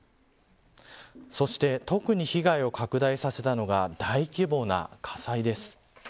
そして特に被害を拡大させたのが大規模な火災です。